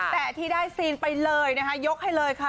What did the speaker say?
แต่ที่ได้ซีนไปเลยนะคะยกให้เลยค่ะ